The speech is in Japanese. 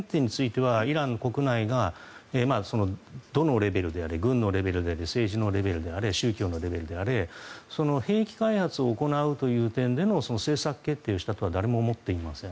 この点についてはイランの国内がどのレベルであれ軍のレベルであれ政治のレベルであれ宗教のレベルであれ兵器開発を行うという点での政策決定をしたとは誰も思っていません。